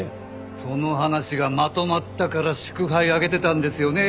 その話がまとまったから祝杯あげてたんですよね？